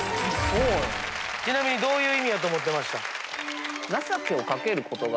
ちなみにどういう意味やと思ってました？